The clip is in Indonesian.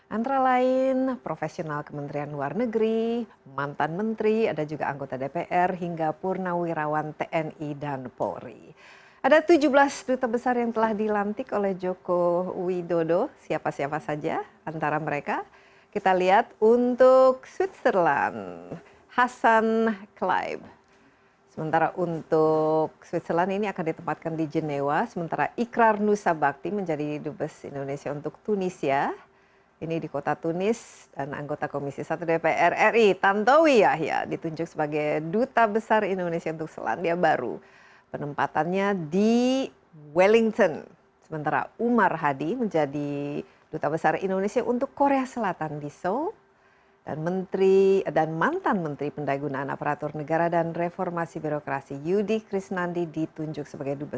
antara lain profesional kementerian luar negeri mantan menteri ada juga anggota dpr hingga purnawirawan tni dan polri